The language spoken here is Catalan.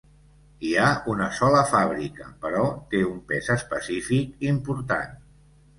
Hi ha una sola fàbrica, però té un pes específic important.